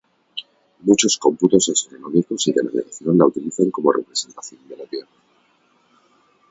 Muchos cómputos astronómicos y de navegación la utilizan como representación de la Tierra.